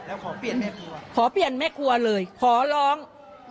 แล้วขอเปลี่ยนแม่ครัวขอเปลี่ยนแม่ครัวเลยขอร้อง